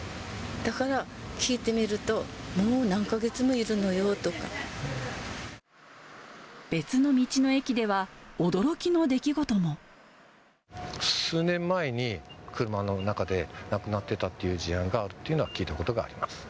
だから、聞いてみると、別の道の駅では、驚きの出来数年前に、車の中で亡くなってたっていう事案があるというのは聞いたことがあります。